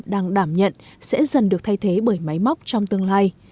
đang đảm nhận sẽ dần được thay thế bởi máy móc trong tương lai